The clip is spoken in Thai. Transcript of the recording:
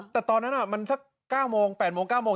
แต่ตอนนั้นมันสัก๙โมง๘โมง๙โมง